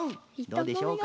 どうでしょうか。